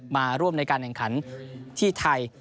มาร่วมในการแข่งขันที่ไทย